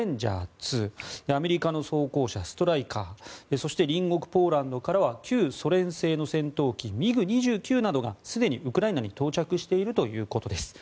２アメリカの装甲車ストライカーそして隣国ポーランドからは旧ソ連製の戦闘機ＭｉＧ２９などがすでにウクライナに到着しているということです。